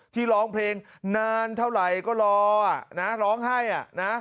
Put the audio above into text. ร้องเพลงนานเท่าไหร่ก็รอนะร้องไห้อ่ะนะ